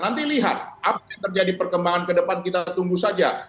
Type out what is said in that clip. nanti lihat apa yang terjadi perkembangan ke depan kita tunggu saja